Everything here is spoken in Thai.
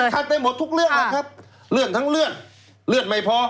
ไปหมดทุกเรื่องแล้วครับเลื่อนทั้งเลื่อนเลือดไม่พอ